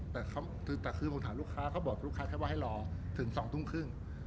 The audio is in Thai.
แต่คือผมถามลูกค้าเขาบอกลูกค้าแค่ว่าให้รอถึง๒ทุ่มครึ่ง